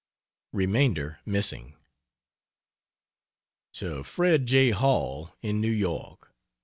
[Remainder missing.] To Fred J. Hall, in New York: Dec.